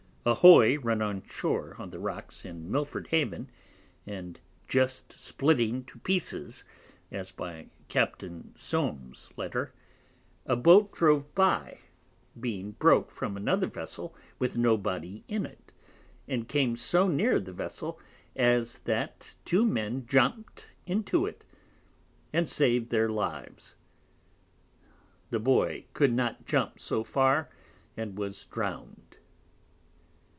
A Hoy run on shore on the Rocks in Milford Haven, and just splitting to pieces (as by Captain Soam's Letter) a Boat drove by, being broke from another Vessel, with no body in it, and came so near the Vessel, as that two Men jumpt into it, and sav'd their Lives: the Boy could not jump so far, and was drowned.